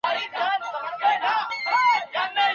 خوره يې مه .